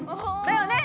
だよね？